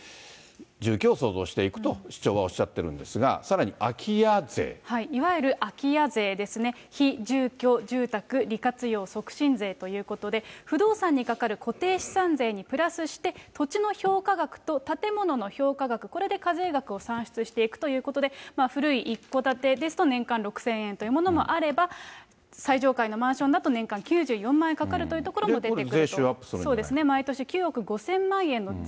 若い人が住みやすい住居を創造していくと市長はおっしゃってるんいわゆる空き家税ですね、非居住住宅利活用促進税ということで、不動産にかかる固定資産税にプラスして土地の評価額と建物の評価額、これで課税額を算出していくということで、古い一戸建てですと、年間６０００円というものもあれば、最上階のマンションだと年間９４万円かかるという所も出てくると。